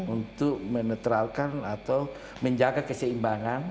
untuk menetralkan atau menjaga keseimbangan